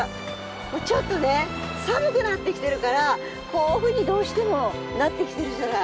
ちょっとね、寒くなってきてるからこういうふうにどうしてもなってきてるじゃない。